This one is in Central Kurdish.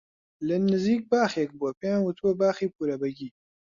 لە نزیک باخێک بووە پێیان وتووە باخی پوورە بەگی